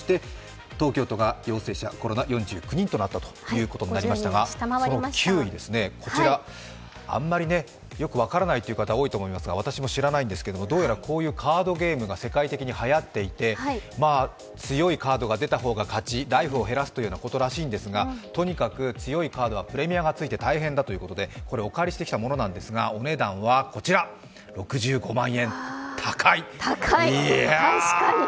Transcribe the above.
東京都が陽性者コロナ４９人となったということになりますが、９位、こちらあんまりよく分からないという方多いと思いますが、私も知らないんですけど、どうやらこういうカードゲームがはやっていて強いカードが出た方が勝ち、ライフを減らすということなんだそうですがとにかく強いカードはプレミアがついて大変だということで、これお借りしてきたものなんですが、お値段６５万円、高い！